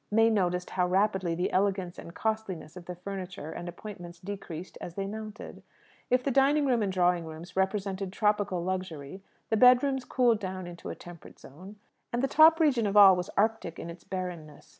May noticed how rapidly the elegance and costliness of the furniture and appointments decreased as they mounted. If the dining room and drawing rooms represented tropical luxury, the bedrooms cooled down into a temperate zone; and the top region of all was arctic in its barrenness.